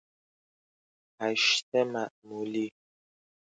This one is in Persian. هشت معمولی